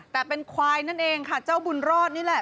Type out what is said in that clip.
แต่เป็นควายนั่นเองค่ะเจ้าบุญรอดนี่แหละ